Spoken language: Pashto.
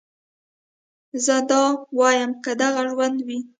زه دا واييم که دغه ژوند وي